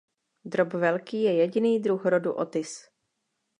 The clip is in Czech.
Drop velký je jediný druh rodu "Otis".